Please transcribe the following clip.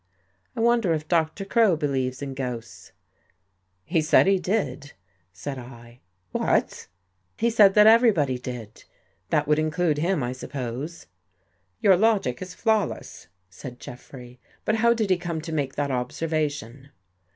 I wonder if Doctor Crow believes in ghosts." " He said he did," said I. " What?" 6 73 THE GHOST GIRL " He said that everybody did. That would in clude him, I suppose.'' " Your logic is flawless," said Jeffrey. " But how did he come to make that observation?